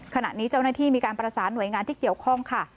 ขณะนี้เจ้าหน้าที่มีการประสานหน่วยงานที่เกี่ยวข้องค่ะ